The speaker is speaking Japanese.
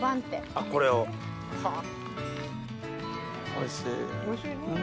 おいしいね。